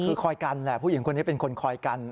คือคอยกันแหละผู้หญิงคนนี้เป็นคนคอยกัน